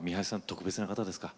特別な方ですか？